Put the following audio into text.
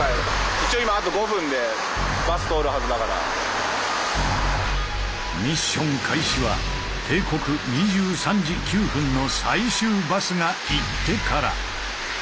一応今ミッション開始は定刻２３時９分の最終バスが行ってから。